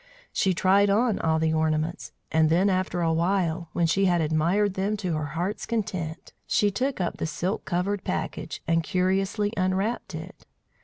She tried on all the ornaments, and then, after awhile, when she had admired them to her heart's content, she took up the silk covered package, and curiously unwrapped it.